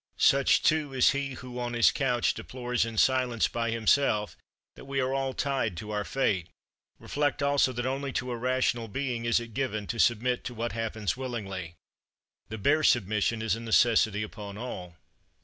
Such, too, is he who, on his couch, deplores in silence, by himself, that we are all tied to our fate. Reflect also that only to a rational being is it given to submit to what happens willingly; the bare submission is a necessity upon all.